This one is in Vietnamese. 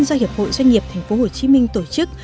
do hiệp hội doanh nghiệp tp hcm tổ chức